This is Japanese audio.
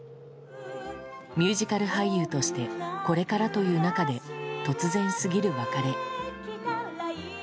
ミュージカル俳優としてこれからという中で突然すぎる別れ。